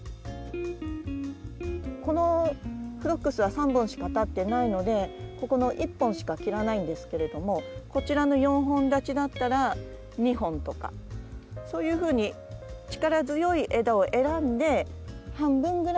このフロックスは３本しか立ってないのでここの１本しか切らないんですけれどもこちらの４本立ちだったら２本とかそういうふうに力強い枝を選んで半分ぐらいの丈に切ります。